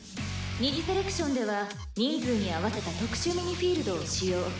「二次セレクションでは人数に合わせた特殊ミニフィールドを使用」